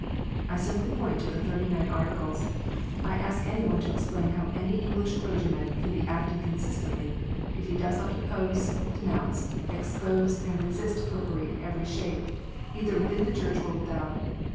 I simply point to the Thirty nine Articles. I ask any one to explain how any English clergyman can be acting consistently, if he does not oppose, denounce, expose, and resist Popery in every shape, either within the Church or without.